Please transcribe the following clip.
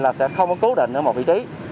là sẽ không có cố định ở một vị trí